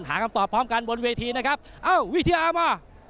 หาคำตอบพร้อมกันบนเวทีนะครับเอ้าวิทยามา